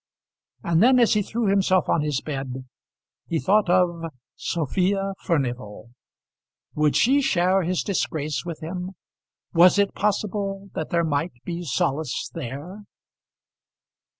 And then as he threw himself on his bed he thought of Sophia Furnival. Would she share his disgrace with him? Was it possible that there might be solace there?